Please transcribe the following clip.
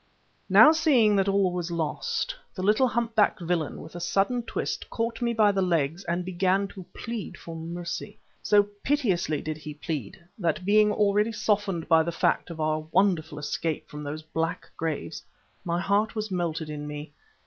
Now, seeing that all was lost, the little humpbacked villain with a sudden twist caught me by the legs and began to plead for mercy. So piteously did he plead, that being already softened by the fact of our wonderful escape from those black graves, my heart was melted in me.